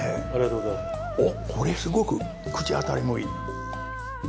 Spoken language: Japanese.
あっこれすごく口当たりもいい。